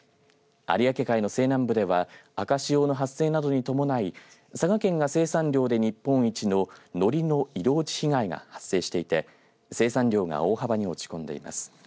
有明海の西南部では赤潮の発生などに伴い佐賀県が生産量で日本一ののりの色落ち被害が発生していて生産量が大幅に落ち込んでいます。